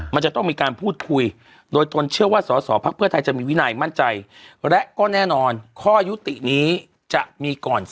มันจะต้องมีการพูดคุยโดยตนเชื่อว่าสอสอพักเพื่อไทยจะมีวินัยมั่นใจ